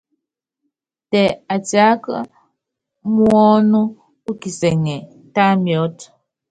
Tɛ atiáka muɔ́nu u kisɛŋɛ, tá miɔ́t.